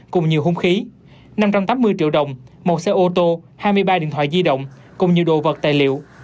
cùng nhiều hung khí năm trăm tám mươi triệu đồng một xe ô tô hai mươi ba điện thoại di động cùng nhiều đồ vật tài liệu